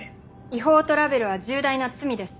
違法トラベルは重大な罪です。